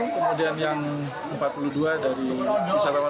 kemudian yang empat puluh dua dari wisatawan